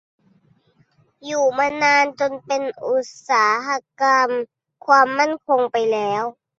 อยู่มานานจนเป็น "อุตสาหกรรมความมั่นคง" ไปแล้ว